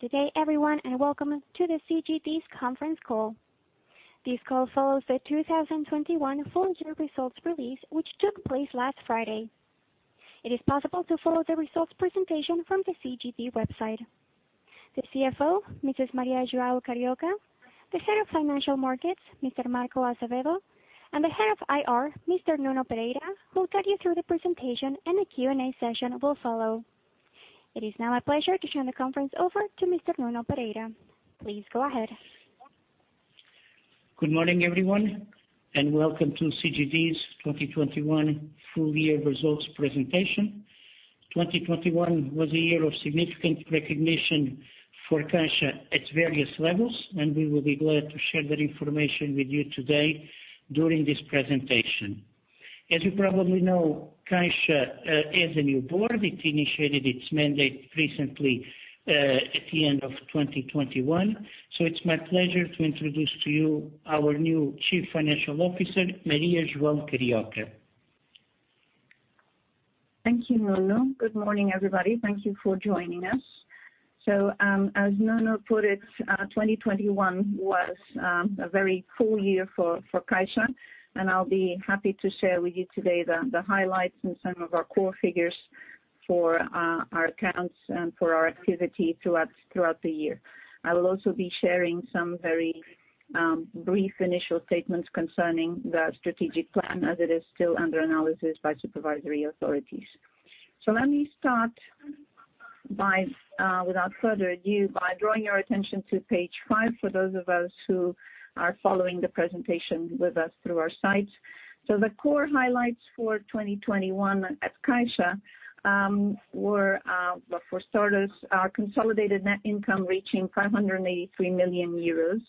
Good day everyone, and welcome to the CGD's conference call. This call follows the 2021 full year results release, which took place last Friday. It is possible to follow the results presentation from the CGD website. The Chief Financial Officer, Mrs. Maria João Carioca, the Head of Financial Markets, Mr. Marco Azevedo, and the Head of Investor Relations, Mr. Nuno Pereira, will take you through the presentation and the Q&A session will follow. It is now my pleasure to turn the conference over to Mr. Nuno Pereira. Please go ahead. Good morning, everyone, and welcome to CGD's 2021 full year results presentation. 2021 was a year of significant recognition for Caixa at various levels, and we will be glad to share that information with you today during this presentation. As you probably know, Caixa has a new board. It initiated its mandate recently at the end of 2021. It's my pleasure to introduce to you our new Chief Financial Officer, Maria João Carioca. Thank you, Nuno. Good morning, everybody, thank you for joining us. As Nuno put it, 2021 was a very full year for Caixa, and I'll be happy to share with you today the highlights and some of our core figures for our accounts and for our activity throughout the year. I will also be sharing some very brief initial statements concerning the strategic plan as it is still under analysis by supervisory authorities. Let me start by, without further ado, drawing your attention to page five, for those of us who are following the presentation with us through our sites. The core highlights for 2021 at Caixa were well for starters, our consolidated net income reaching 583 million euros.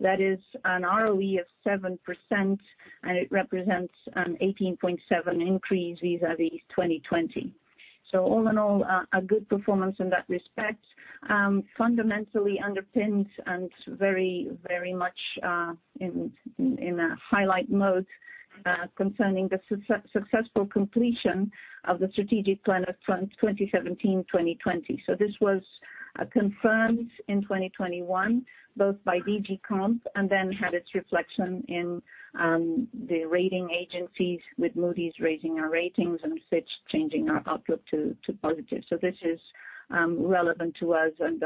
That is an ROE of 7%, and it represents an 18.7% increase vis-à-vis 2020. All in all, a good performance in that respect, fundamentally underpinned and very, very much in a highlight mode, concerning the successful completion of the strategic plan from 2017, 2020. This was confirmed in 2021, both by DG Comp and then had its reflection in the rating agencies with Moody's raising our ratings and Fitch changing our outlook to positive. This is relevant to us and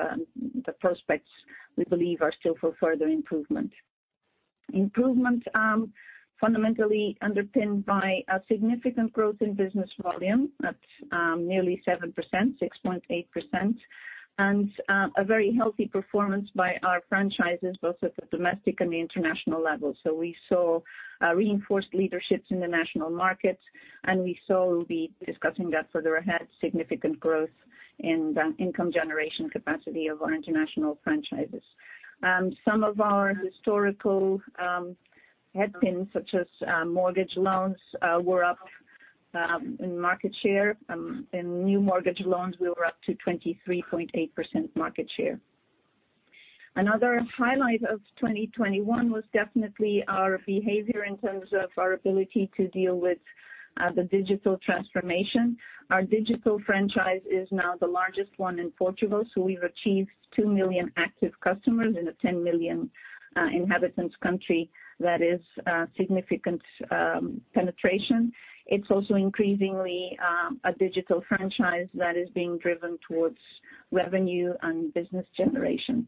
the prospects we believe are still for further improvement, fundamentally underpinned by a significant growth in business volume at nearly 7%, 6.8%, and a very healthy performance by our franchises, both at the domestic and the international level. We saw reinforced leaderships in the national markets, and we'll be discussing that further ahead, significant growth in the income generation capacity of our international franchises. Some of our historical headwinds, such as mortgage loans, were up in market share. In new mortgage loans, we were up to 23.8% market share. Another highlight of 2021 was definitely our behavior in terms of our ability to deal with the digital transformation. Our digital franchise is now the largest one in Portugal, so we've achieved 2 million active customers in a 10 million inhabitants country, that is significant penetration. It's also increasingly a digital franchise that is being driven towards revenue and business generation.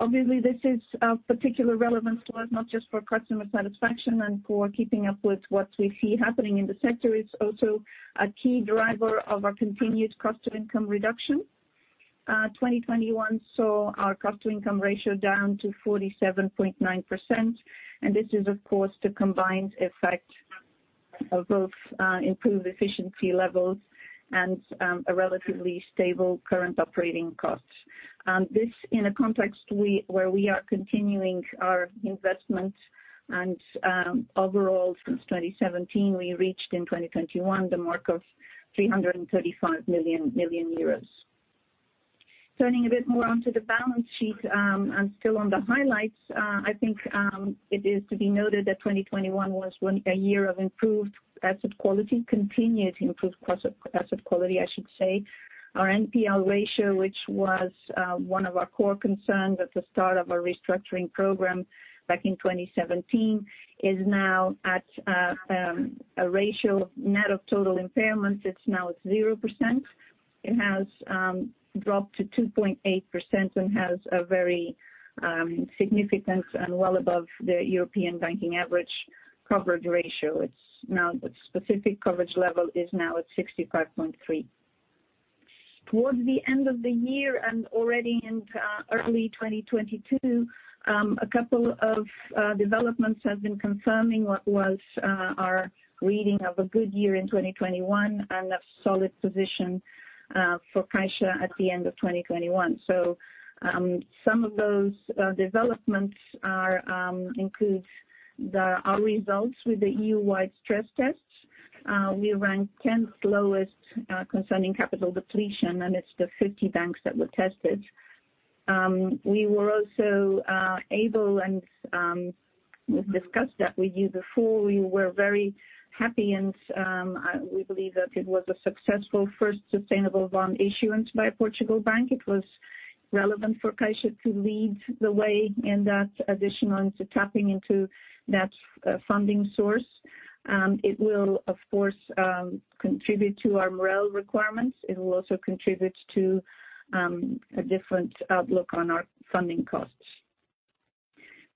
Obviously, this is of particular relevance to us, not just for customer satisfaction and for keeping up with what we see happening in the sector. It's also a key driver of our continued cost to income reduction. 2021 saw our cost to income ratio down to 47.9%, and this is of course the combined effect of both improved efficiency levels and a relatively stable current operating costs. This in a context where we are continuing our investment and overall since 2017, we reached in 2021 the mark of 335 million. Turning a bit more onto the balance sheet and still on the highlights, I think it is to be noted that 2021 was a year of improved asset quality, continued improved asset quality, I should say. Our NPL ratio, which was one of our core concerns at the start of our restructuring program back in 2017, is now at a ratio net of total impairments. It's now at 0%. It has dropped to 2.8% and has a very significant and well above the European banking average coverage ratio. It's now. The specific coverage level is now at 65.3%. Towards the end of the year and already in early 2022, a couple of developments have been confirming what was our reading of a good year in 2021 and a solid position for Caixa at the end of 2021. Some of those developments include our results with the EU-wide stress tests. We ranked 10th lowest concerning capital depletion, and it's the 50 banks that were tested. We were also able and we've discussed that with you before. We were very happy and we believe that it was a successful first sustainable bond issuance by a Portuguese bank. It was relevant for Caixa to lead the way in that addition and to tapping into that funding source. It will, of course, contribute to our MREL requirements. It will also contribute to a different outlook on our funding costs.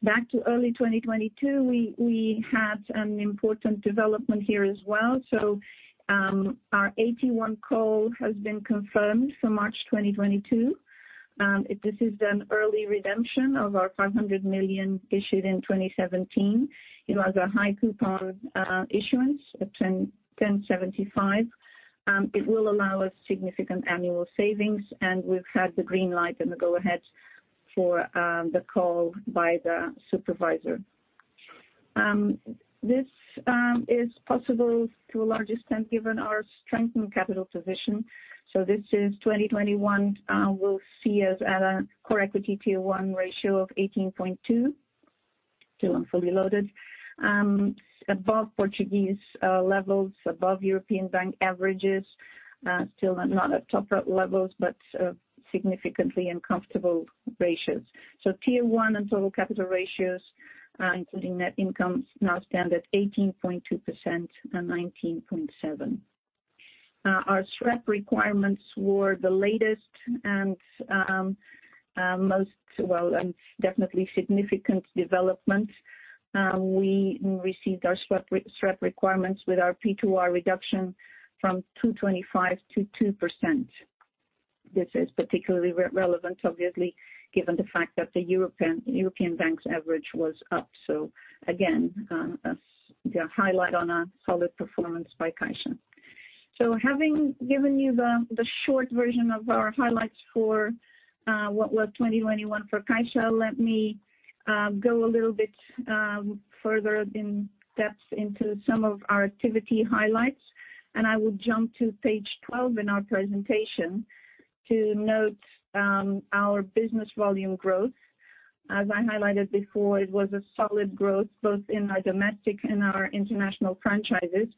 Back to early 2022, we had an important development here as well. Our AT1 call has been confirmed for March 2022. This is an early redemption of our 500 million issued in 2017. It was a high coupon issuance at 10.75%. It will allow us significant annual savings, and we've had the green light and the go ahead for the call by the supervisor. This is possible to a large extent given our strength and capital position. This is 2021 will see us at a core Equity Tier 1 ratio of 18.2, still on fully loaded, above Portuguese levels, above European bank averages, still not at top levels, but significantly in comfortable ratios. Tier 1 and total capital ratios, including net income, now stand at 18.2% and 19.7%. Our SREP requirements were the latest and most well and definitely significant development. We received our SREP requirements with our P2R reduction from 2.25 to 2%. This is particularly relevant, obviously, given the fact that the European bank's average was up. Again, the highlight on a solid performance by Caixa. Having given you the short version of our highlights for what was 2021 for Caixa, let me go a little bit further in depth into some of our activity highlights. I will jump to page 12 in our presentation to note our business volume growth. As I highlighted before, it was a solid growth both in our domestic and our international franchises.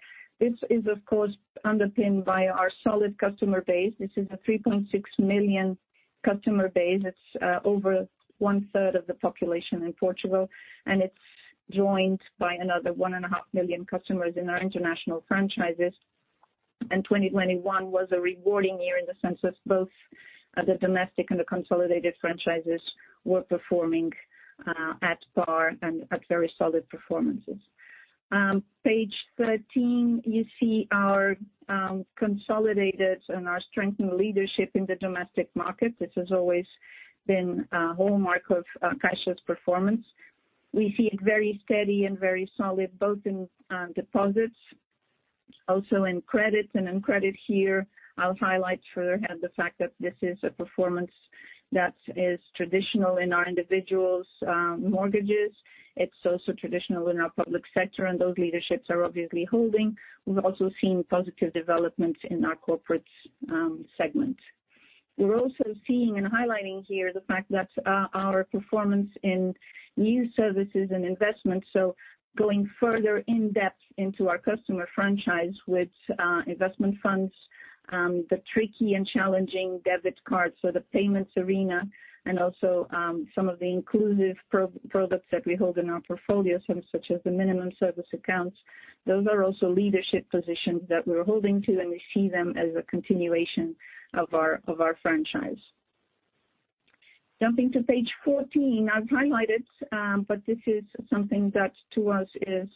This is, of course, underpinned by our solid customer base. This is a 3.6 million customer base. It's over one third of the population in Portugal, and it's joined by another 1.5 million customers in our international franchises. 2021 was a rewarding year in the sense that both the domestic and the consolidated franchises were performing at par and at very solid performances. Page 13, you see our consolidated and our strengthened leadership in the domestic market. This has always been a hallmark of Caixa's performance. We see it very steady and very solid, both in deposits, also in credits. In credit here, I'll highlight further ahead the fact that this is a performance that is traditional in our individuals' mortgages. It's also traditional in our public sector, and those leaderships are obviously holding. We've also seen positive developments in our corporates segment. We're also seeing and highlighting here the fact that our performance in new services and investments, so going further in depth into our customer franchise with investment funds, the tricky and challenging debit cards, so the payments arena, and also some of the inclusive products that we hold in our portfolio, some such as the minimum service accounts, those are also leadership positions that we're holding to, and we see them as a continuation of our franchise. Jumping to page 14, I've highlighted, but this is something that to us is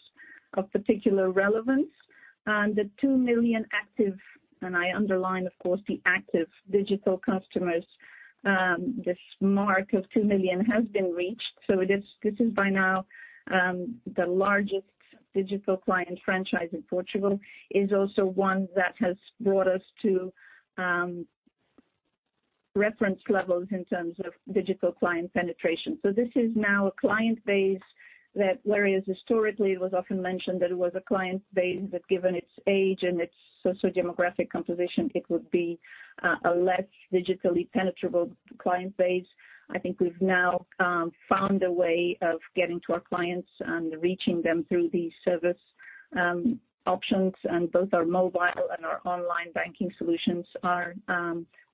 of particular relevance. The 2 million active, and I underline, of course, the active digital customers, this mark of 2 million has been reached. It is, this is by now, the largest digital client franchise in Portugal, is also one that has brought us to, reference levels in terms of digital client penetration. This is now a client base that whereas historically it was often mentioned that it was a client base that given its age and its socio-demographic composition, it would be, a less digitally penetrable client base. I think we've now found a way of getting to our clients and reaching them through these service options. Both our mobile and our online banking solutions are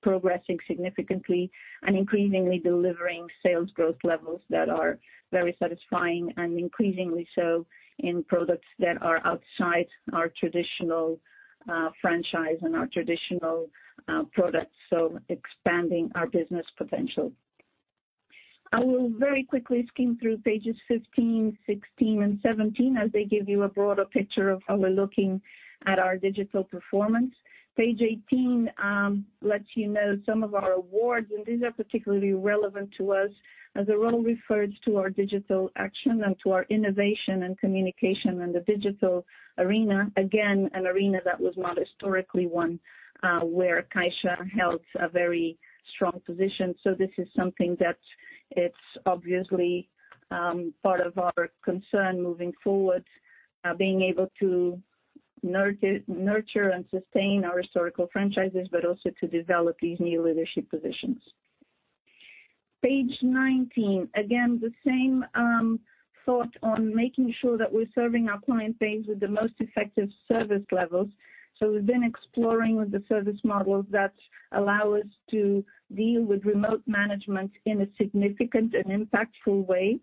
progressing significantly and increasingly delivering sales growth levels that are very satisfying and increasingly so in products that are outside our traditional, franchise and our traditional, products, expanding our business potential. I will very quickly skim through pages 15, 16, and 17 as they give you a broader picture of how we're looking at our digital performance. Page 18 lets you know some of our awards, and these are particularly relevant to us as they're all referred to our digital action and to our innovation and communication in the digital arena. Again, an arena that was not historically one, where Caixa held a very strong position. This is something that it's obviously part of our concern moving forward, being able to nurture and sustain our historical franchises, but also to develop these new leadership positions. Page 19. Again, the same thought on making sure that we're serving our client base with the most effective service levels. We've been exploring the service models that allow us to deal with remote management in a significant and impactful way.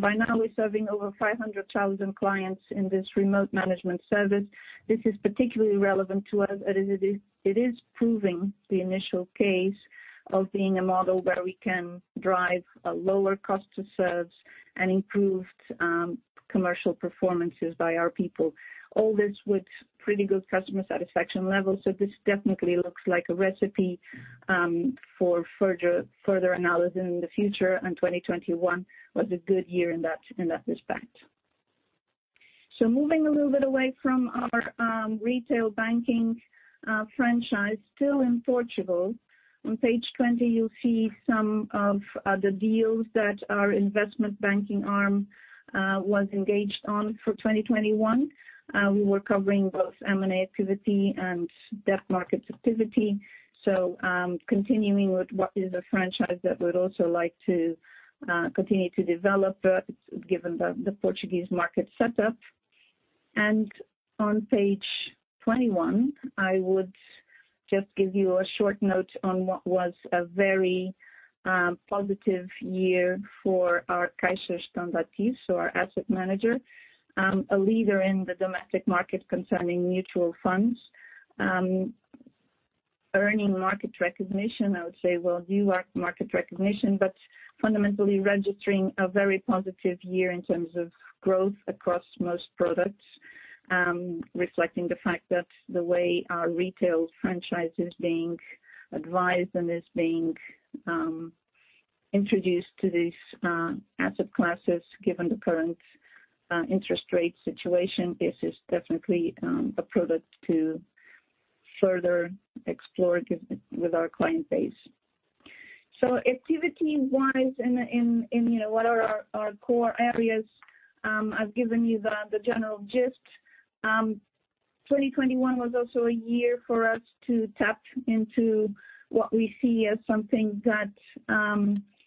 By now, we're serving over 500,000 clients in this remote management service. This is particularly relevant to us as it is proving the initial case of being a model where we can drive a lower cost to serve and improved commercial performances by our people. All this with pretty good customer satisfaction levels. This definitely looks like a recipe for further analysis in the future, and 2021 was a good year in that respect. Moving a little bit away from our retail banking franchise, still in Portugal, on page 20 you'll see some of the deals that our investment banking arm was engaged on for 2021. We were covering both M&A activity and debt markets activity. Continuing with what is a franchise that we'd also like to continue to develop, given the Portuguese market setup. On page 21, I would just give you a short note on what was a very positive year for our Caixa Gestão de Ativos, so our asset manager, a leader in the domestic market concerning mutual funds. Earning market recognition, I would say, well-deserved, our market recognition, but fundamentally registering a very positive year in terms of growth across most products, reflecting the fact that the way our retail franchise is being advised and is being introduced to these asset classes, given the current interest rate situation, this is definitely a product to further explore with our client base. Activity wise in you know what are our core areas, I've given you the general gist. 2021 was also a year for us to tap into what we see as something that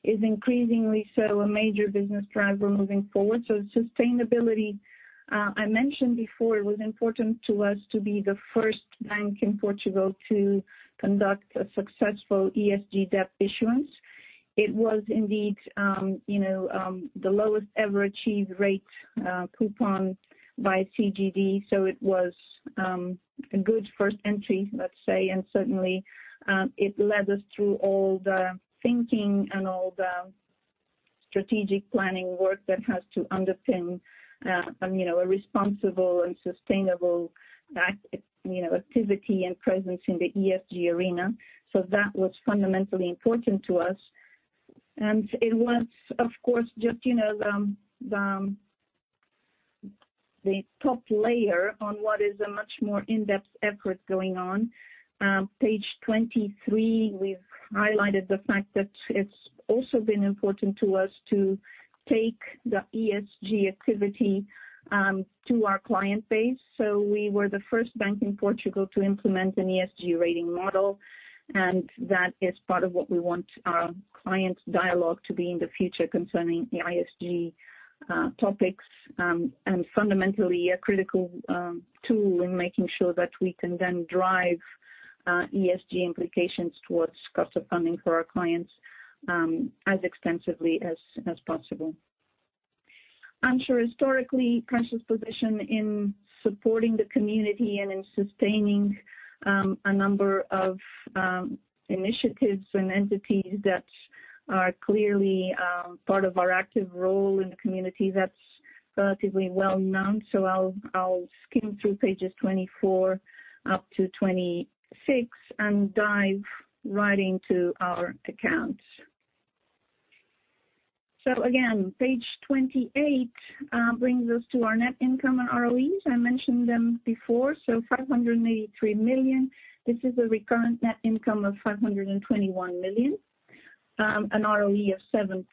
is increasingly so a major business driver moving forward. Sustainability, I mentioned before it was important to us to be the first bank in Portugal to conduct a successful ESG debt issuance. It was indeed you know the lowest ever achieved rate coupon by CGD. It was a good first entry, let's say. Certainly it led us through all the thinking and all the strategic planning work that has to underpin you know a responsible and sustainable act you know activity and presence in the ESG arena. That was fundamentally important to us. It was, of course, just, you know, the top layer on what is a much more in-depth effort going on. Page 23, we've highlighted the fact that it's also been important to us to take the ESG activity to our client base. We were the first bank in Portugal to implement an ESG rating model, and that is part of what we want our client dialogue to be in the future concerning the ESG topics. Fundamentally a critical tool in making sure that we can then drive ESG implications towards cost of funding for our clients as extensively as possible. I'm sure historically, Caixa's position in supporting the community and in sustaining a number of initiatives and entities that are clearly part of our active role in the community that's relatively well-known. I'll skim through pages 24 up to 26 and dive right into our accounts. Again, page 28 brings us to our net income and ROEs. I mentioned them before, 583 million. This is a recurrent net income of 521 million, an ROE of 7%.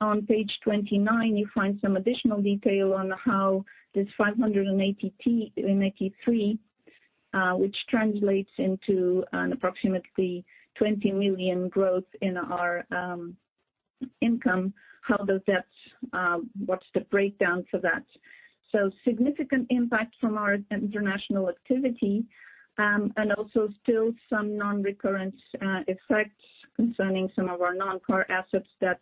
On page 29, you find some additional detail on how this 583 million, which translates into an approximately 20 million growth in our income. How does that, what's the breakdown for that? Significant impact from our international activity, and also still some non-recurrent effects concerning some of our non-core assets that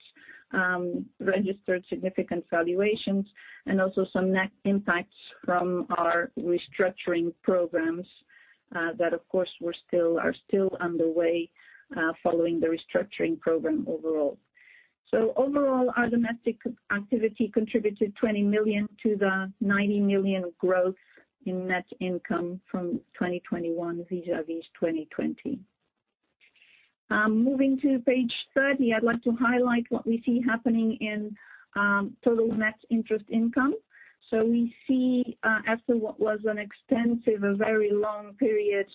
registered significant valuations and also some net impacts from our restructuring programs, that of course are still underway, following the restructuring program overall. Overall, our domestic activity contributed 20 million to the 90 million growth in net income from 2021 vis-à-vis 2020. Moving to page 30, I'd like to highlight what we see happening in total net interest income. We see, after what was a very long period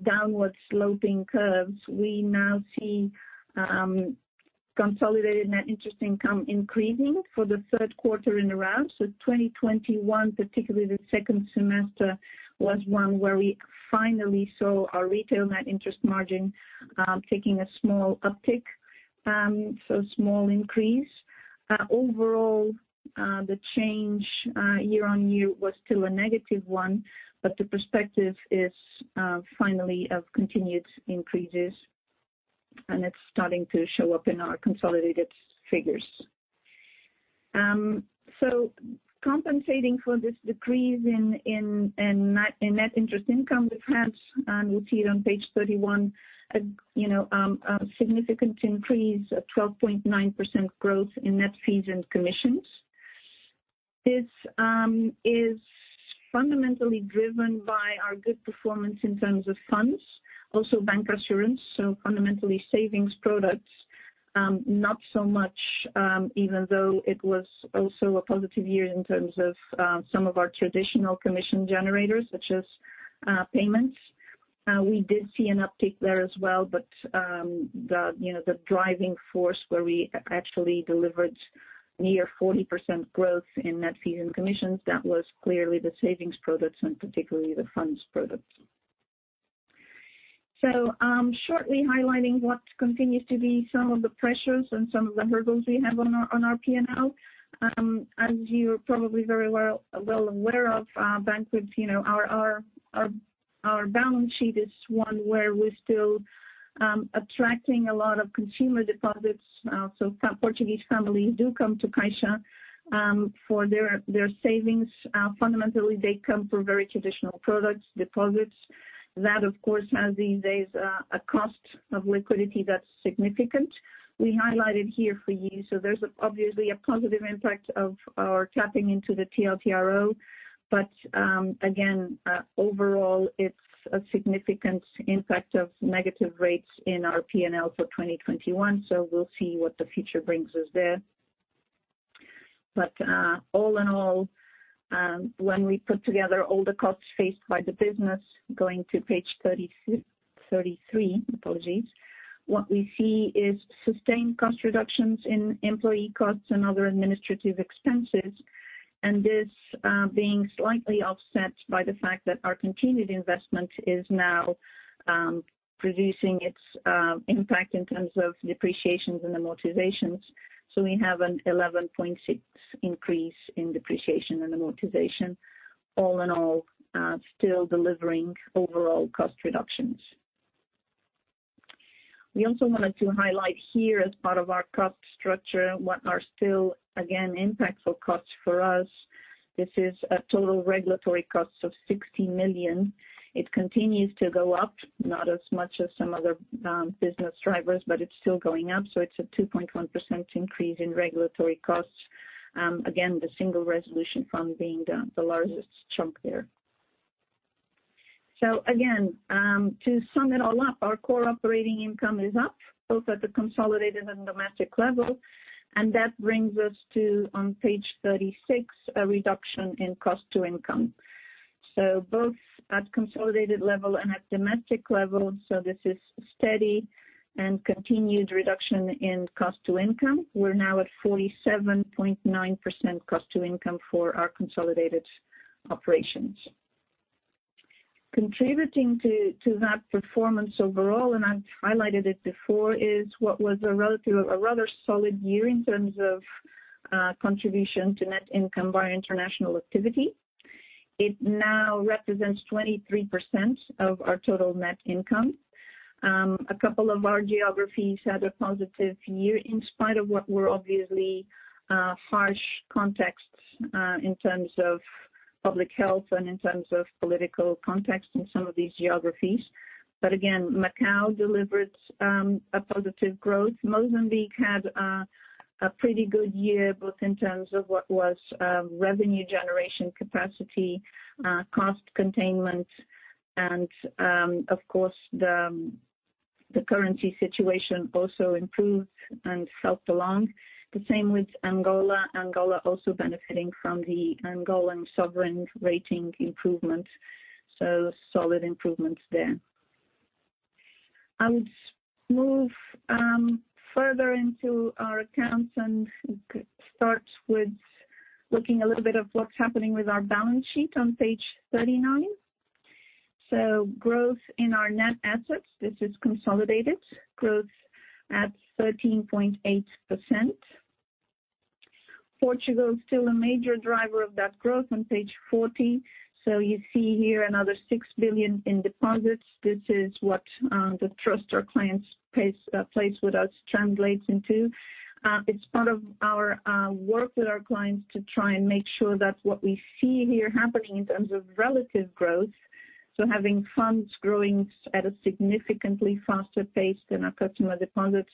downward sloping curves, we now see consolidated net interest income increasing for the third quarter in a row. 2021, particularly the second semester, was one where we finally saw our retail net interest margin taking a small uptick, so small increase. Overall, the change year-on-year was still a negative 1%, but the perspective is finally of continued increases, and it's starting to show up in our consolidated figures. Compensating for this decrease in net interest income, we have, you'll see it on page 31, you know, a significant increase of 12.9% growth in net fees and commissions. This is fundamentally driven by our good performance in terms of funds, also bancassurance, so fundamentally savings products, not so much, even though it was also a positive year in terms of some of our traditional commission generators, such as payments. We did see an uptick there as well, but, you know, the driving force where we actually delivered near 40% growth in net fees and commissions, that was clearly the savings products and particularly the funds products. Shortly highlighting what continues to be some of the pressures and some of the hurdles we have on our P&L. As you're probably very well aware of, Banif, you know, our balance sheet is one where we're still attracting a lot of consumer deposits. Portuguese families do come to Caixa for their savings. Fundamentally, they come for very traditional products, deposits. That, of course, has these days a cost of liquidity that's significant. We highlighted here for you, so there's obviously a positive impact of our tapping into the TLTRO. Again, overall it's a significant impact of negative rates in our P&L for 2021, we'll see what the future brings us there. All in all, when we put together all the costs faced by the business, going to page 33, apologies, what we see is sustained cost reductions in employee costs and other administrative expenses, and this being slightly offset by the fact that our continued investment is now producing its impact in terms of depreciations and amortizations. We have an 11.6 increase in depreciation and amortization. All in all, still delivering overall cost reductions. We also wanted to highlight here as part of our cost structure what are still, again, impactful costs for us. This is a total regulatory cost of 60 million. It continues to go up, not as much as some other business drivers, but it's still going up, so it's a 2.1% increase in regulatory costs. Again, the Single Resolution Fund being the largest chunk there. Again, to sum it all up, our core operating income is up, both at the consolidated and domestic level, and that brings us to, on page 36, a reduction in cost to income. Both at consolidated level and at domestic level, this is steady and continued reduction in cost to income. We're now at 47.9% cost to income for our consolidated operations. Contributing to that performance overall, and I've highlighted it before, is what was a rather solid year in terms of contribution to net income by our international activity. It now represents 23% of our total net income. A couple of our geographies had a positive year in spite of what were obviously harsh contexts in terms of public health and in terms of political context in some of these geographies. Again, Macau delivered a positive growth. Mozambique had a pretty good year, both in terms of what was revenue generation capacity, cost containment, and, of course, the currency situation also improved and helped along. The same with Angola. Angola also benefiting from the Angolan sovereign rating improvement, solid improvements there. I'll move further into our accounts and start with looking a little bit of what's happening with our balance sheet on page 39. Growth in our net assets, this is consolidated, growth at 13.8%. Portugal is still a major driver of that growth on page 40. You see here another 6 billion in deposits. This is what the trust our clients place with us translates into. It's part of our work with our clients to try and make sure that what we see here happening in terms of relative growth, so having funds growing at a significantly faster pace than our customer deposits.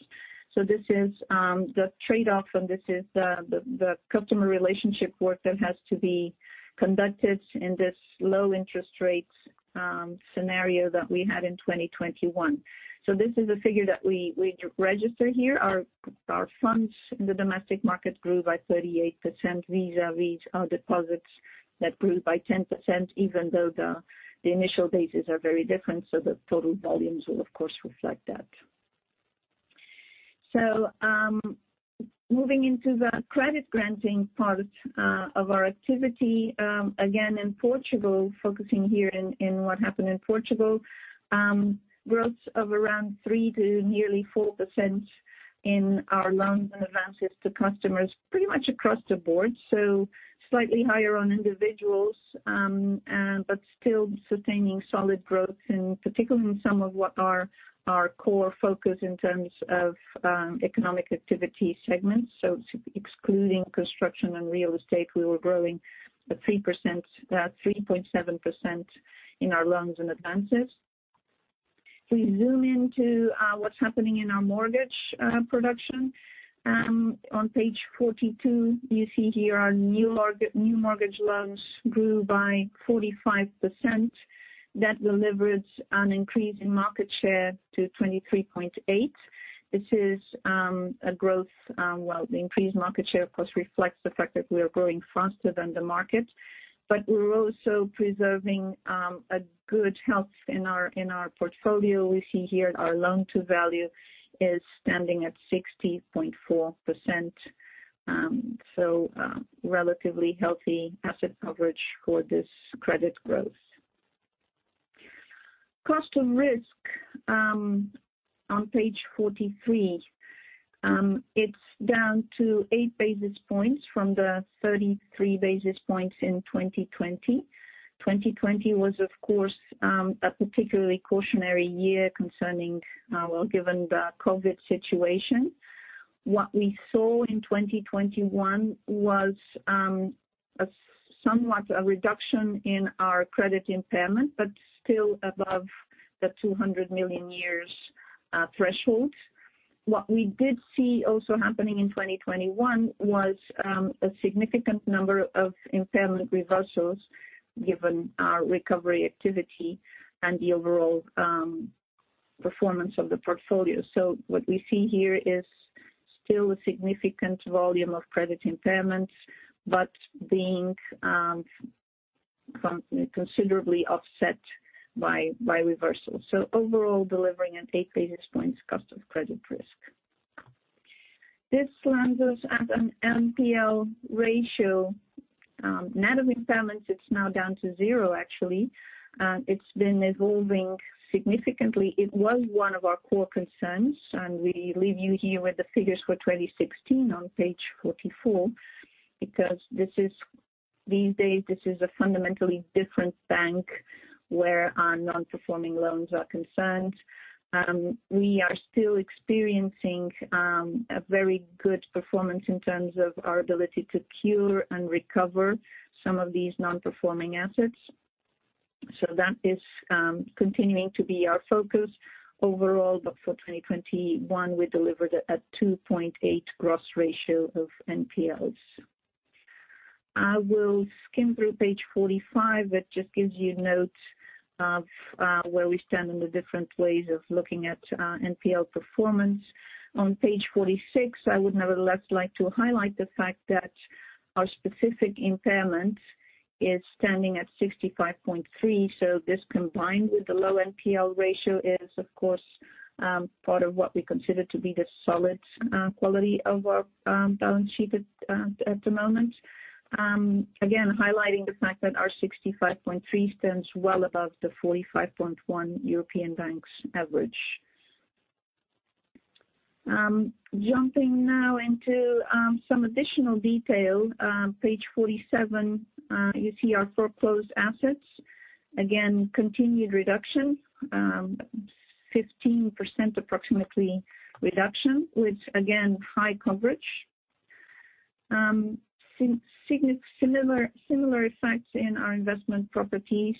This is the trade-off, and this is the customer relationship work that has to be conducted in this low interest rates scenario that we had in 2021. This is a figure that we register here. Our funds in the domestic market grew by 38% vis-à-vis our deposits that grew by 10%, even though the initial bases are very different, so the total volumes will of course reflect that. Moving into the credit granting part of our activity, again in Portugal, focusing here in what happened in Portugal, growth of around 3%-nearly 4% in our loans and advances to customers pretty much across the board, so slightly higher on individuals, but still sustaining solid growth and particularly in some of what are our core focus in terms of economic activity segments. Excluding construction and real estate, we were growing at 3%, 3.7% in our loans and advances. We zoom into what's happening in our mortgage production. On page 42, you see here our new mortgage loans grew by 45%. That delivers an increase in market share to 23.8%. Well, the increased market share, of course, reflects the fact that we are growing faster than the market. We're also preserving a good health in our portfolio. We see here our loan to value is standing at 60.4%, so relatively healthy asset coverage for this credit growth. Cost of risk on page 43, it's down to 8 basis points from the 33 basis points in 2020. 2020 was, of course, a particularly challenging year concerning, well, given the COVID situation. What we saw in 2021 was somewhat of a reduction in our credit impairment, but still above the 200 million euros threshold. What we did see also happening in 2021 was a significant number of impairment reversals given our recovery activity and the overall performance of the portfolio. What we see here is still a significant volume of credit impairments, but being considerably offset by reversals. Overall, delivering an 8 basis points cost of credit risk. This lands us at an NPL ratio net of impairments. It's now down to 0, actually. It's been evolving significantly. It was one of our core concerns, and we leave you here with the figures for 2016 on page 44, because these days, this is a fundamentally different bank where our non-performing loans are concerned. We are still experiencing a very good performance in terms of our ability to cure and recover some of these non-performing assets. That is continuing to be our focus overall. For 2021, we delivered a 2.8% gross ratio of NPLs. I will skim through page 45. That just gives you notes of where we stand in the different ways of looking at NPL performance. On page 46, I would nevertheless like to highlight the fact that our specific impairment is standing at 65.3%. This combined with the low NPL ratio is of course part of what we consider to be the solid quality of our balance sheet at the moment. Again, highlighting the fact that our 65.3% stands well above the 45.1% European banks' average. Jumping now into some additional detail. Page 47, you see our foreclosed assets. Again, continued reduction, approximately 15% reduction, with again, high coverage. Similar effects in our investment properties.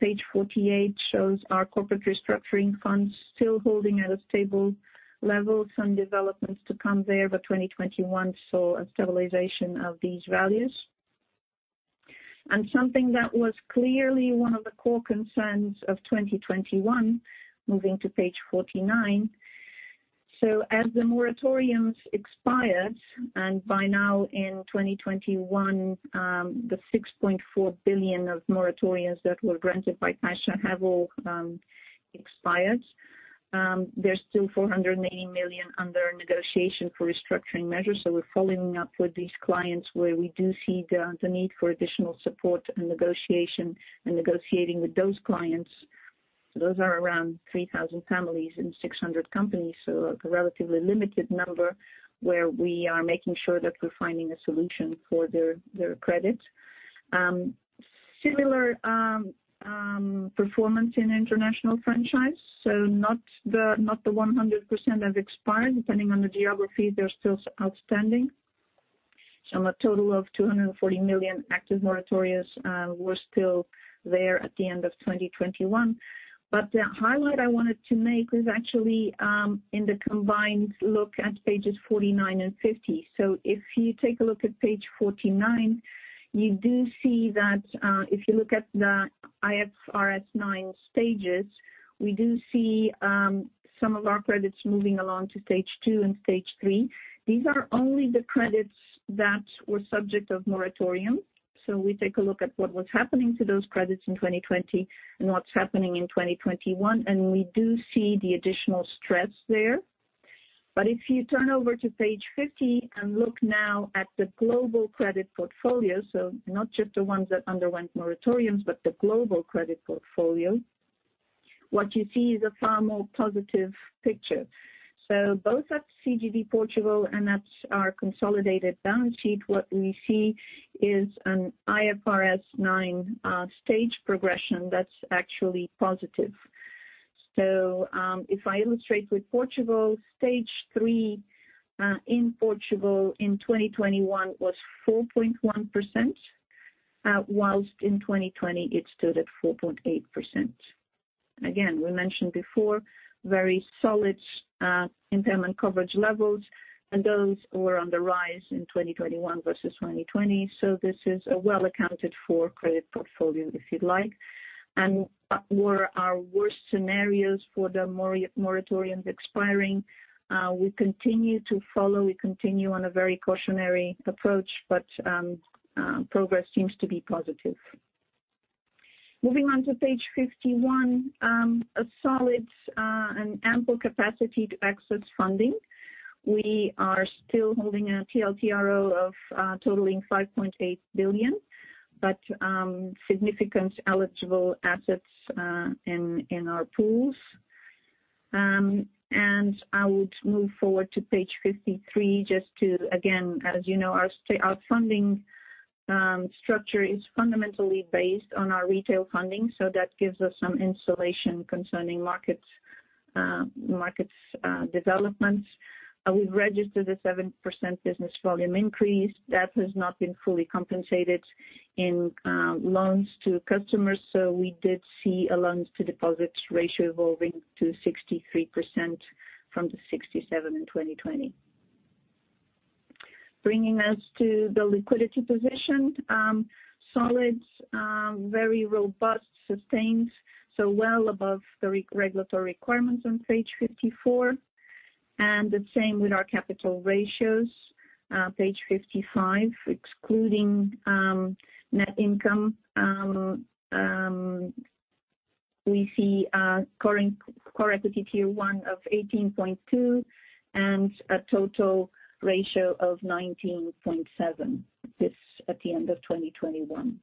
Page 48 shows our corporate restructuring funds still holding at a stable level. Some developments to come there, but 2021 saw a stabilization of these values. Something that was clearly one of the core concerns of 2021, moving to page 49. As the moratoriums expired, and by now in 2021, the 6.4 billion of moratoriums that were granted by Caixa have all expired. There's still 480 million under negotiation for restructuring measures. We're following up with these clients where we do see the need for additional support and negotiation and negotiating with those clients. Those are around 3,000 families and 600 companies, so a relatively limited number where we are making sure that we're finding a solution for their credit. Similar performance in international franchise, so not the 100% have expired. Depending on the geography, they're still outstanding. A total of 240 million active moratoriums were still there at the end of 2021. The highlight I wanted to make is actually in the combined look at pages 49 and 50. If you take a look at page 49, you do see that if you look at the IFRS 9 stages, we do see some of our credits moving along to stage 2 and stage 3. These are only the credits that were subject to moratorium. We take a look at what was happening to those credits in 2020 and what's happening in 2021, and we do see the additional stress there. If you turn over to page 50 and look now at the global credit portfolio, so not just the ones that underwent moratoriums, but the global credit portfolio, what you see is a far more positive picture. Both at CGD Portugal and at our consolidated balance sheet, what we see is an IFRS 9 stage progression that's actually positive. If I illustrate with Portugal, stage 3 in Portugal in 2021 was 4.1%, whilst in 2020 it stood at 4.8%. Again, we mentioned before very solid impairment coverage levels, and those were on the rise in 2021 versus 2020. This is a well accounted for credit portfolio, if you'd like. In our worst scenarios for the moratoriums expiring, we continue on a very cautionary approach, but progress seems to be positive. Moving on to page 51, a solid and ample capacity to access funding. We are still holding a TLTRO totaling 5.8 billion, but significant eligible assets in our pools. I would move forward to page 53 just to, again, as you know, our funding structure is fundamentally based on our retail funding, so that gives us some insulation concerning market developments. We've registered a 7% business volume increase. That has not been fully compensated in loans to customers, so we did see a loan-to-deposit ratio evolving to 63% from the 67 in 2020. Bringing us to the liquidity position. Solid, very robust, sustained, so well above the regulatory requirements on page 54. The same with our capital ratios, page 55, excluding net income. We see current core Equity Tier 1 of 18.2 and a total ratio of 19.7. This at the end of 2021.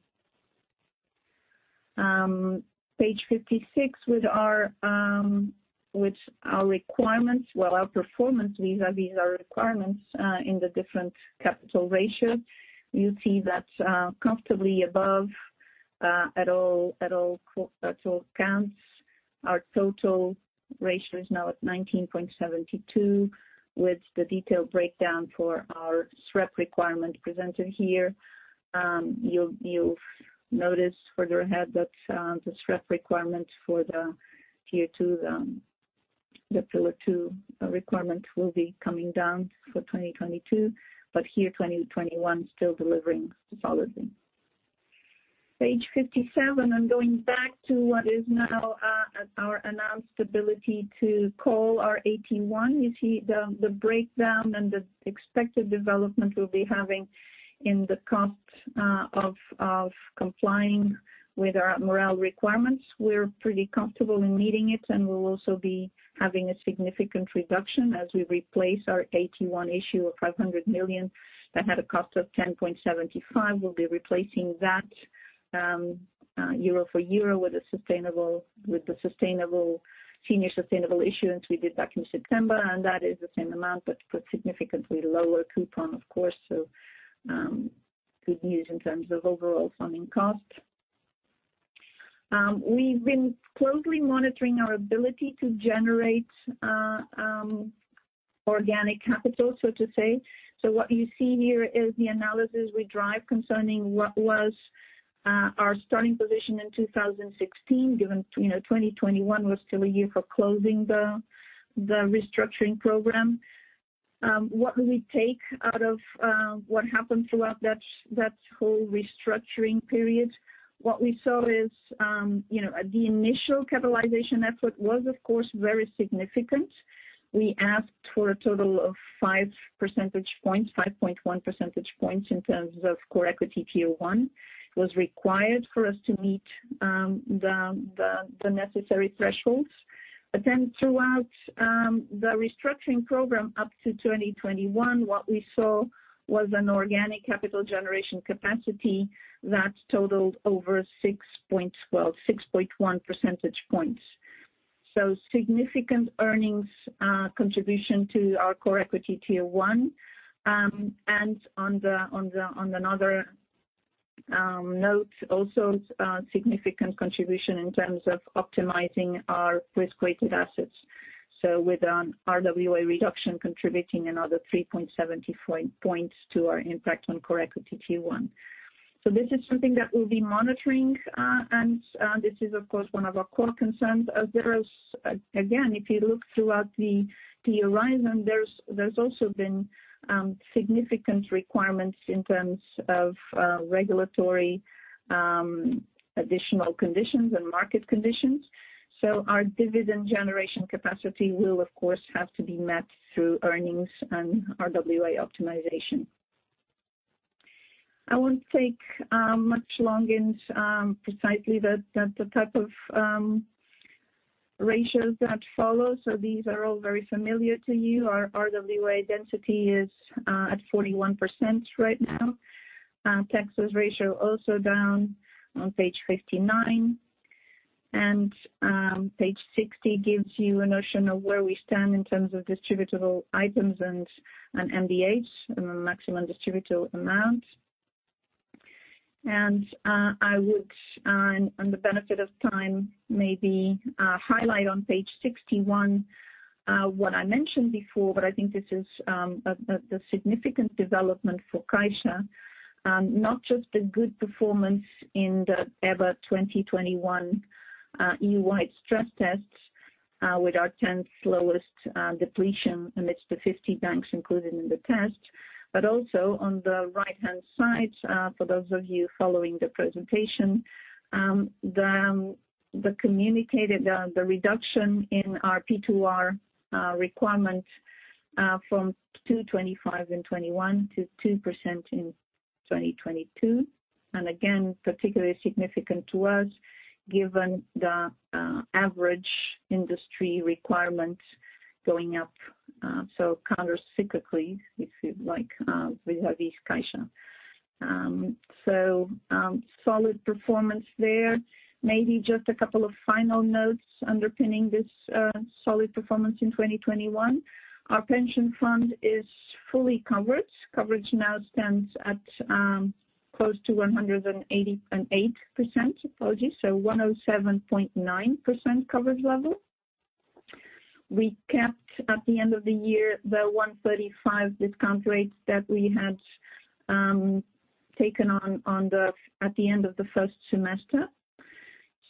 Page 56, with our requirements, well, our performance. These are requirements in the different capital ratio. You see that comfortably above at all counts. Our total ratio is now at 19.72, with the detailed breakdown for our SREP requirement presented here. You'll notice further ahead that the SREP requirement for the tier two, the pillar two requirement will be coming down for 2022, but here, 2021 still delivering solidly. Page 57, I'm going back to what is now our announced ability to call our AT1. You see the breakdown and the expected development we'll be having in the cost of complying with our MREL requirements. We're pretty comfortable in meeting it, and we'll also be having a significant reduction as we replace our AT1 issue of 500 million that had a cost of 10.75%. We'll be replacing that euro for euro with the sustainable senior sustainable issuance we did back in September. That is the same amount, but for significantly lower coupon, of course. Good news in terms of overall funding costs. We've been closely monitoring our ability to generate organic capital, so to say. What you see here is the analysis we drive concerning what was our starting position in 2016, given, you know, 2021 was still a year for closing the restructuring program. What do we take out of what happened throughout that whole restructuring period? What we saw is, you know, at the initial capitalization effort was of course, very significant. We asked for a total of 5 percentage points, 5.1 percentage points in terms of Common Equity Tier 1, was required for us to meet the necessary thresholds. Throughout the restructuring program up to 2021, what we saw was an organic capital generation capacity that totaled over 6.1 percentage points. Significant earnings contribution to our core Equity Tier 1. On another note, also significant contribution in terms of optimizing our risk-weighted assets. With an RWA reduction contributing another 3.75 percentage points to our impact on core Equity Tier 1. This is something that we'll be monitoring, and this is of course one of our core concerns. There is again, if you look throughout the horizon, there's also been significant requirements in terms of regulatory additional conditions and market conditions. Our dividend generation capacity will of course have to be met through earnings and RWA optimization. I won't take much longer in precisely the type of ratios that follow. These are all very familiar to you. Our RWA density is at 41% right now. Texas ratio also down on page 59. Page 60 gives you a notion of where we stand in terms of distributable items and MDA, maximum distributable amount. I would with the benefit of time, maybe, highlight on page 61 what I mentioned before, but I think this is the significant development for Caixa, not just the good performance in the EBA 2021 EU-wide stress tests with our tenth lowest depletion amidst the 50 banks included in the test, but also on the right-hand side, for those of you following the presentation, the communicated reduction in our P2R requirement from 2.25 in 2021 to 2% in 2022. Again, particularly significant to us given the average industry requirement going up, so countercyclically, if you'd like, vis-à-vis Caixa. Solid performance there, maybe just a couple of final notes underpinning this solid performance in 2021. Our pension fund is fully covered. Coverage now stands at close to 108%, apologies. 107.9% coverage level. We kept, at the end of the year, the 1.35 discount rates that we had taken on at the end of the first semester.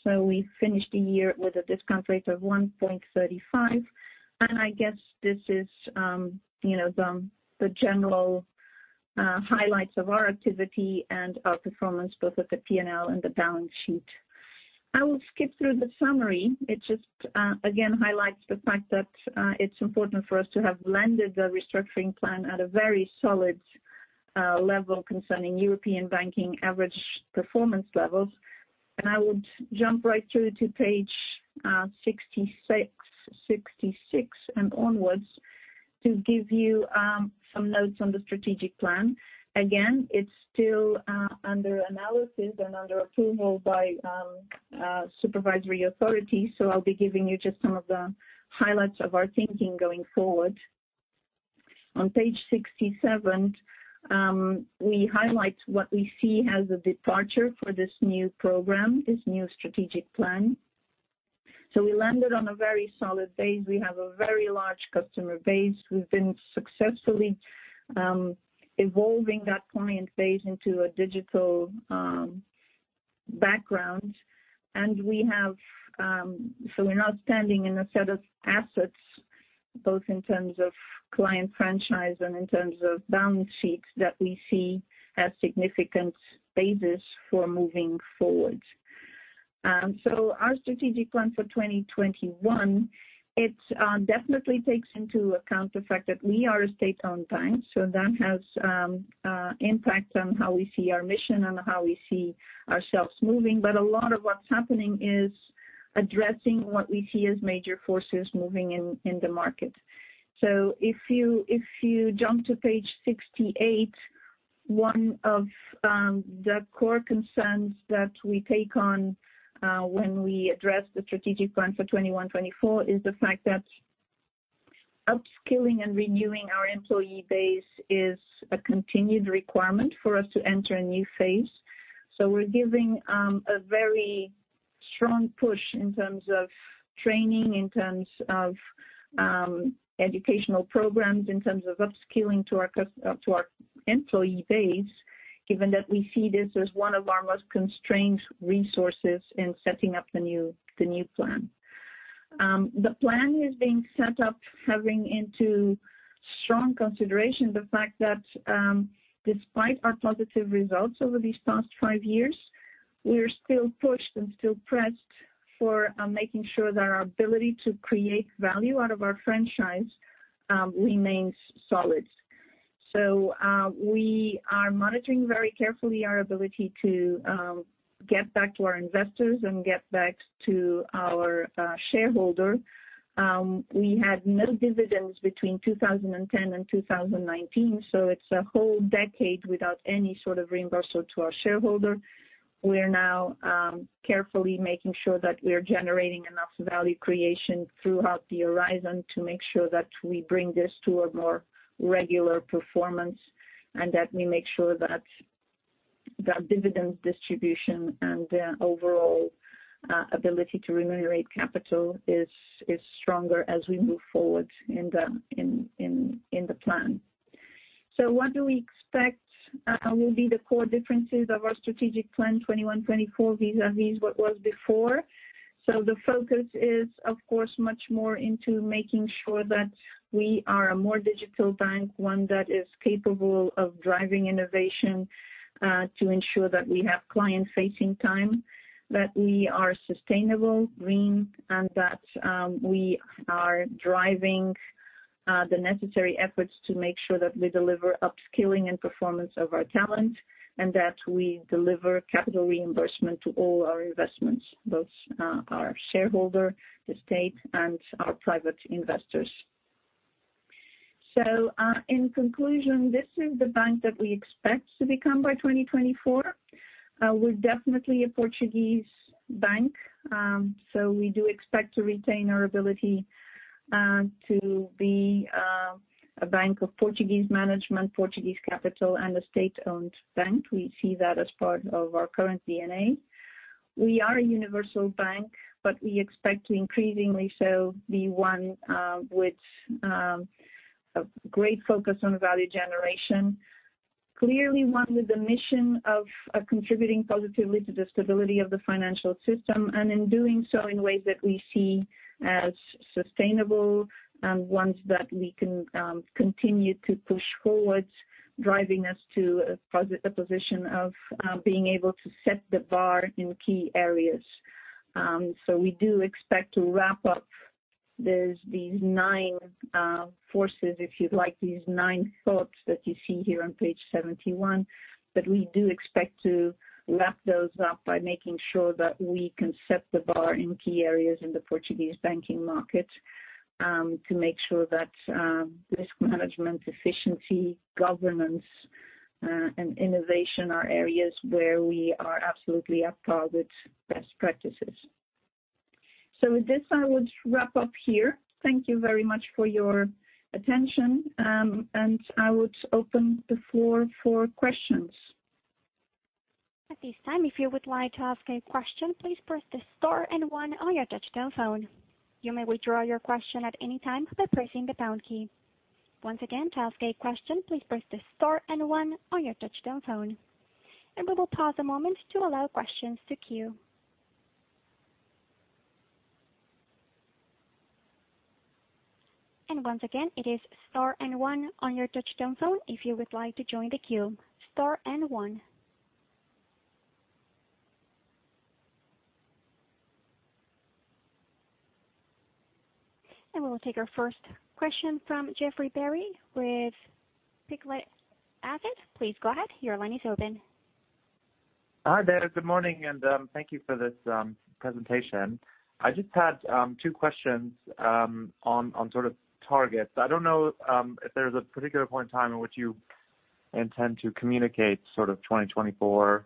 We finished the year with a discount rate of 1.35. I guess this is you know the general highlights of our activity and our performance, both at the P&L and the balance sheet. I will skip through the summary. It just again highlights the fact that it's important for us to have landed the restructuring plan at a very solid level concerning European banking average performance levels. I would jump right through to page 66 and onwards to give you some notes on the strategic plan. Again, it's still under analysis and under approval by supervisory authorities, so I'll be giving you just some of the highlights of our thinking going forward. On page 67, we highlight what we see as a departure for this new program, this new strategic plan. We landed on a very solid base. We have a very large customer base. We've been successfully evolving that client base into a digital background. We have such an outstanding set of assets, both in terms of client franchise and in terms of balance sheets that we see as significant bases for moving forward. Our strategic plan for 2021 definitely takes into account the fact that we are a state-owned bank, so that has impact on how we see our mission and how we see ourselves moving. A lot of what's happening is addressing what we see as major forces moving in the market. If you jump to page 68, one of the core concerns that we take on when we address the strategic plan for 2021-2024 is the fact that upskilling and renewing our employee base is a continued requirement for us to enter a new phase. We're giving a very strong push in terms of training, in terms of educational programs, in terms of upskilling to our employee base, given that we see this as one of our most constrained resources in setting up the new plan. The plan is being set up taking into strong consideration the fact that, despite our positive results over these past five years, we are still pressed for making sure that our ability to create value out of our franchise remains solid. We are monitoring very carefully our ability to get back to our investors and get back to our shareholder. We had no dividends between 2010 and 2019. It's a whole decade without any sort of reimbursement to our shareholder. We are now carefully making sure that we are generating enough value creation throughout the horizon to make sure that we bring this to a more regular performance and that we make sure that the dividend distribution and the overall ability to remunerate capital is stronger as we move forward in the plan. What do we expect will be the core differences of our strategic plan 2021-2024 vis-à-vis what was before? The focus is, of course, much more into making sure that we are a more digital bank, one that is capable of driving innovation, to ensure that we have client-facing time, that we are sustainable, green, and that we are driving the necessary efforts to make sure that we deliver upskilling and performance of our talent and that we deliver capital reimbursement to all our investments, both our shareholder, the state and our private investors. In conclusion, this is the bank that we expect to become by 2024. We're definitely a Portuguese bank, so we do expect to retain our ability to be a bank of Portuguese management, Portuguese capital and a state-owned bank. We see that as part of our current DNA. We are a universal bank, but we expect to increasingly so be one with a great focus on value generation. Clearly one with the mission of contributing positively to the stability of the financial system, and in doing so in ways that we see as sustainable and ones that we can continue to push forwards, driving us to a position of being able to set the bar in key areas. We do expect to wrap up these nine forces, if you'd like, these nine thoughts that you see here on page 71. We do expect to wrap those up by making sure that we can set the bar in key areas in the Portuguese banking market, to make sure that risk management, efficiency, governance, and innovation are areas where we are absolutely up to our best practices. With this, I would wrap up here. Thank you very much for your attention and I would open the floor for questions. At this time, if you would like to ask a question, please press the star and one on your touchtone phone. You may withdraw your question at any time by pressing the pound key. Once again, to ask a question, please press the star and one on your touchtone phone. We will pause a moment to allow questions to queue. Once again, it is star and one on your touchtone phone if you would like to join the queue. Star and one. We'll take our first question from Jeffrey Berry with Pictet Asset Management. Please go ahead. Your line is open. Hi there. Good morning, and thank you for this presentation. I just had two questions on sort of targets. I don't know if there's a particular point in time in which you intend to communicate sort of 2024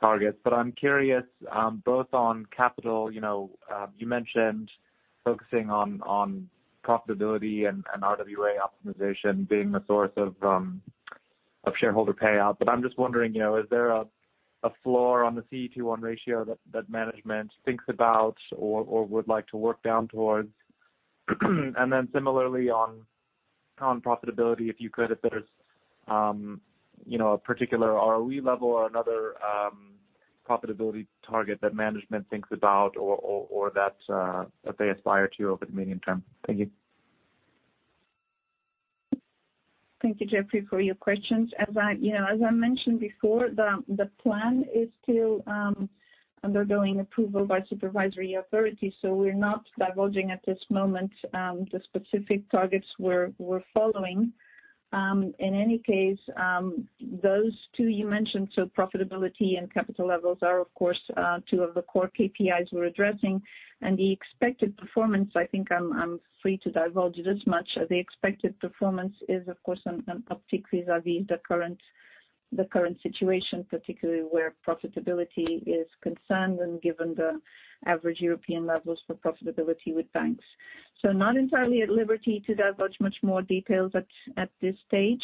targets, but I'm curious both on capital. You know, you mentioned focusing on profitability and RWA optimization being the source of shareholder payout. I'm just wondering, you know, is there a floor on the CET1 ratio that management thinks about or would like to work down towards? Similarly on profitability, if there's you know a particular ROE level or another profitability target that management thinks about or that they aspire to over the medium term. Thank you. Thank you, Jeffrey, for your questions. As I, you know, as I mentioned before, the plan is still undergoing approval by supervisory authorities, so we're not divulging at this moment the specific targets we're following. In any case, those two you mentioned, so profitability and capital levels are of course two of the core KPIs we're addressing. The expected performance, I think I'm free to divulge it as much. The expected performance is of course an uptick vis-à-vis the current situation, particularly where profitability is concerned and given the average European levels for profitability with banks. Not entirely at liberty to divulge much more details at this stage.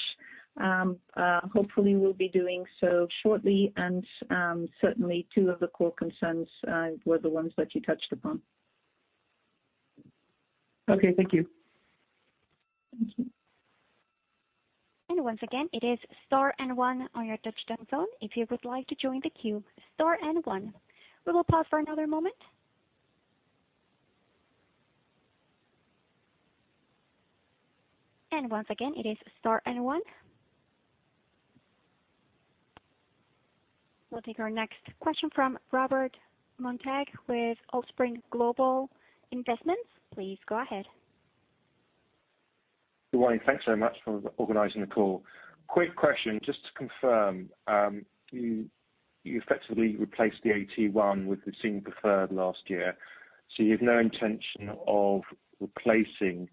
Hopefully we'll be doing so shortly and certainly two of the core concerns were the ones that you touched upon. Okay, thank you. Thank you. Once again, it is star and one on your touchtone phone if you would like to join the queue. Star and one. We will pause for another moment. Once again, it is star and one. We'll take our next question from Robert Montague with Allspring Global Investments. Please go ahead. Good morning. Thanks so much for organizing the call. Quick question just to confirm. You effectively replaced the AT1 with the senior preferred last year. You have no intention of replacing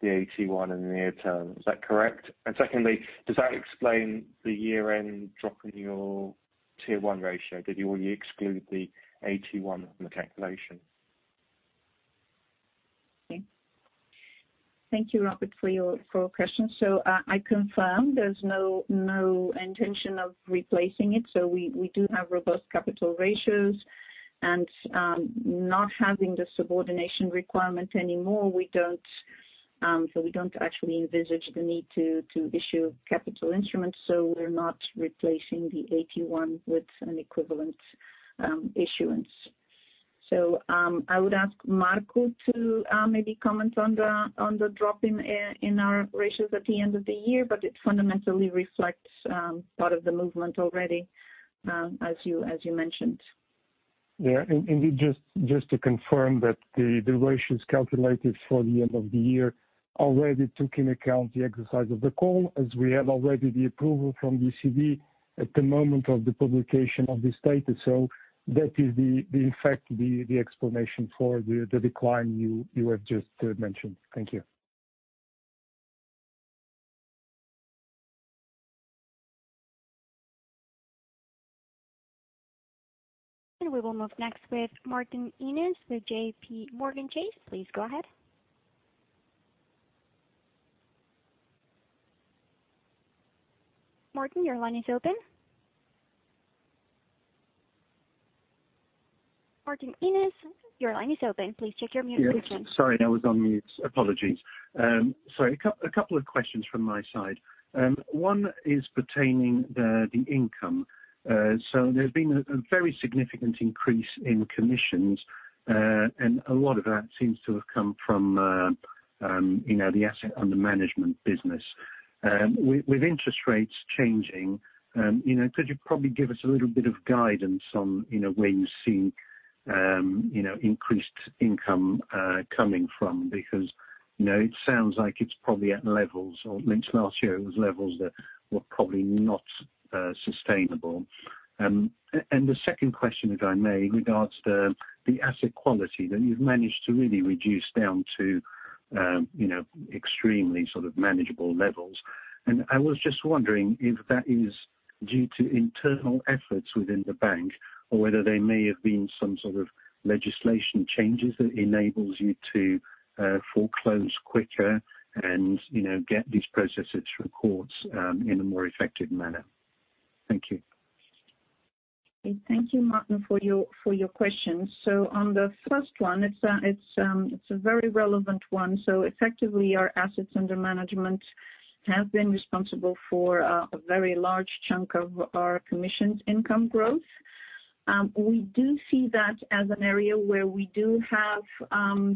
the AT1 in the near term. Is that correct? Secondly, does that explain the year-end drop in your Tier 1 ratio? Did you already exclude the AT1 from the calculation? Thank you, Robert, for your question. I confirm there's no intention of replacing it. We do have robust capital ratios. Not having the subordination requirement anymore, we don't actually envisage the need to issue capital instruments, so we're not replacing the AT1 with an equivalent issuance. I would ask Marco to maybe comment on the drop in our ratios at the end of the year, but it fundamentally reflects part of the movement already, as you mentioned. Yeah. Just to confirm that the ratios calculated for the end of the year already took into account the exercise of the call, as we have already the approval from BCB at the moment of the publication of this data. That is the effect, the explanation for the decline you have just mentioned. Thank you. We will move next with Martin Ennes with JPMorgan Chase. Please go ahead. Martin Ennes, your line is open. Please check your mute function. Yes. Sorry, I was on mute. Apologies. A couple of questions from my side. One is pertaining to the income. There's been a very significant increase in commissions, and a lot of that seems to have come from, you know, the assets under management business. With interest rates changing, you know, could you probably give us a little bit of guidance on, you know, where you see, you know, increased income coming from? Because, you know, it sounds like it's probably at levels or at least last year it was levels that were probably not sustainable. And the second question, if I may, regards the asset quality that you've managed to really reduce down to, you know, extremely sort of manageable levels. I was just wondering if that is due to internal efforts within the bank or whether there may have been some sort of legislation changes that enables you to foreclose quicker and, you know, get these processes through courts in a more effective manner. Thank you. Thank you, Martin, for your questions. On the first one, it's a very relevant one. Effectively our assets under management have been responsible for a very large chunk of our commissions income growth. We do see that as an area where we do have.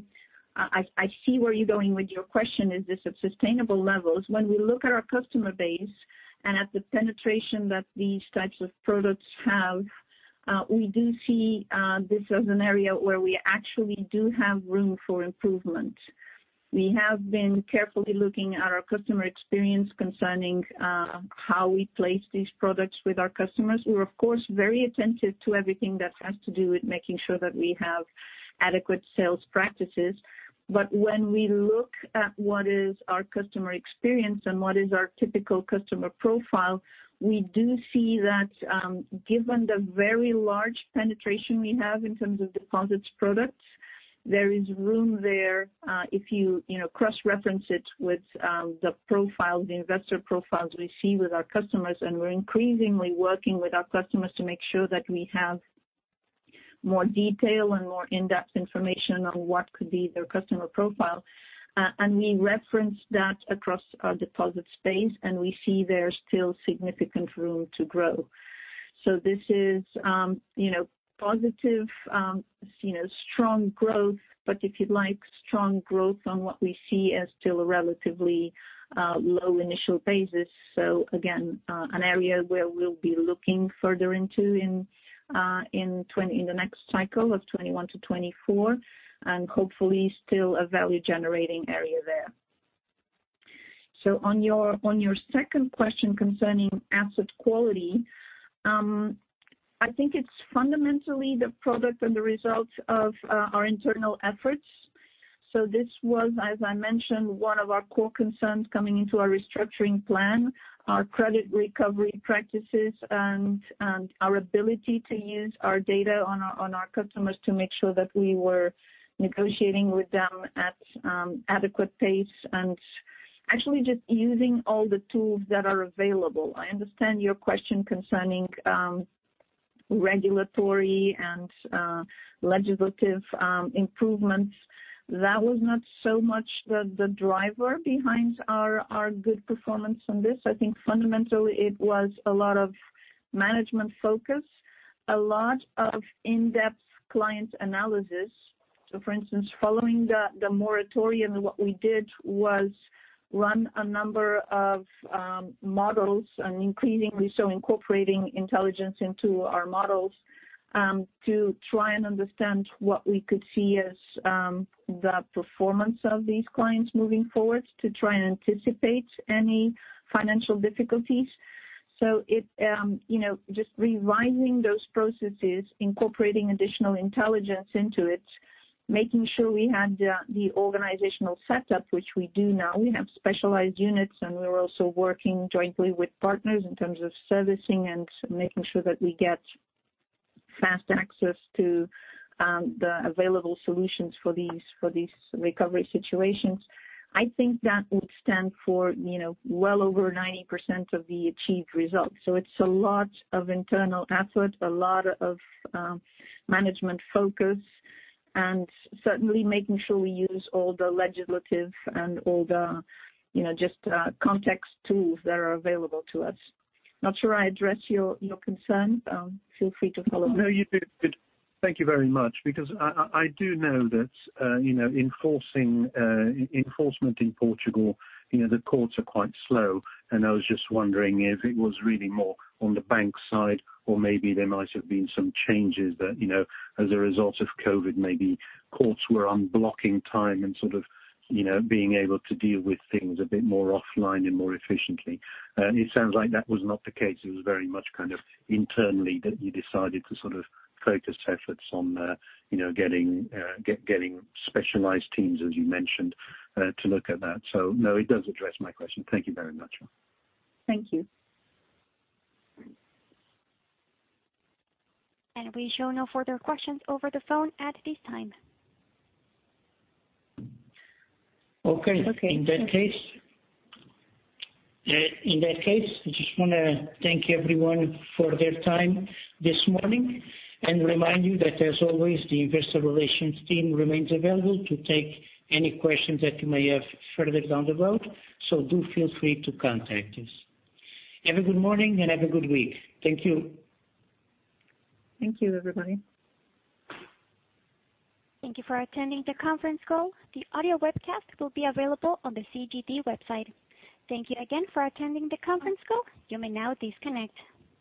I see where you're going with your question, is this at sustainable levels? When we look at our customer base and at the penetration that these types of products have, we do see this as an area where we actually do have room for improvement. We have been carefully looking at our customer experience concerning how we place these products with our customers. We're of course very attentive to everything that has to do with making sure that we have adequate sales practices. When we look at what is our customer experience and what is our typical customer profile, we do see that, given the very large penetration we have in terms of deposits products, there is room there, if you know, cross-reference it with, the profiles, the investor profiles we see with our customers. We're increasingly working with our customers to make sure that we have more detail and more in-depth information on what could be their customer profile. We reference that across our deposit space, and we see there's still significant room to grow. This is, you know, positive, you know, strong growth, but if you'd like, strong growth on what we see as still a relatively, low initial basis. Again, an area where we'll be looking further into in the next cycle of 2021 to 2024, and hopefully still a value generating area there. On your second question concerning asset quality, I think it's fundamentally the product and the result of our internal efforts. This was, as I mentioned, one of our core concerns coming into our restructuring plan, our credit recovery practices and our ability to use our data on our customers to make sure that we were negotiating with them at adequate pace and actually just using all the tools that are available. I understand your question concerning regulatory and legislative improvements. That was not so much the driver behind our good performance on this. I think fundamentally it was a lot of management focus, a lot of in-depth client analysis. For instance, following the moratorium, what we did was run a number of models and increasingly so incorporating intelligence into our models to try and understand what we could see as the performance of these clients moving forward to try and anticipate any financial difficulties. It you know just revising those processes, incorporating additional intelligence into it, making sure we had the organizational setup, which we do now. We have specialized units, and we're also working jointly with partners in terms of servicing and making sure that we get fast access to the available solutions for these recovery situations. I think that would stand for you know well over 90% of the achieved results. It's a lot of internal effort, a lot of management focus, and certainly making sure we use all the legislative and all the, you know, just context tools that are available to us. Not sure I addressed your concern, feel free to follow up. No, you did. Thank you very much. Because I do know that you know, enforcing enforcement in Portugal, you know, the courts are quite slow, and I was just wondering if it was really more on the bank side or maybe there might have been some changes that you know, as a result of COVID, maybe courts were unblocking time and sort of you know, being able to deal with things a bit more offline and more efficiently. It sounds like that was not the case. It was very much kind of internally that you decided to sort of focus efforts on you know, getting specialized teams, as you mentioned, to look at that. No, it does address my question. Thank you very much. Thank you. We show no further questions over the phone at this time. Okay. Okay. In that case, I just wanna thank everyone for their time this morning and remind you that as always, the investor relations team remains available to take any questions that you may have further down the road. Do feel free to contact us. Have a good morning and have a good week. Thank you. Thank you everybody. Thank you for attending the conference call. The audio webcast will be available on the CGD website. Thank you again for attending the conference call. You may now disconnect.